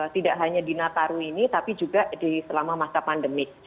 tidak hanya di nataru ini tapi juga di selama masa pandemi